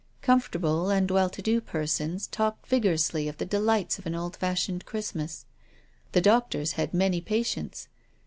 Comfortable and well to do per sons talked vigorously of the delights of an old fashioned Christmas. The doctors had many patients.